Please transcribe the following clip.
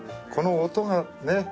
この音がね。